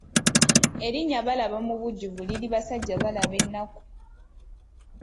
Erinnya Balaba mu bujjuvu liri Basajjabalaba ennaku.